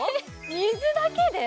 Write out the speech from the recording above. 水だけで？